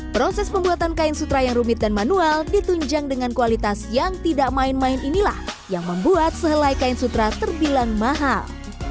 proses pembuatan kain sutra yang rumit dan manual ditunjang dengan kualitas yang tidak main main inilah yang membuat sehelai kain sutra terbilang mahal